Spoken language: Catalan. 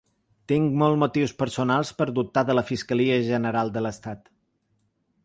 Tinc molt motius personals per dubtar de la fiscalia general de l’estat.